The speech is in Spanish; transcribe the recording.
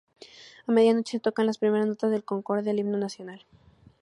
A medianoche se tocan las primeras notas del Concorde, el himno nacional.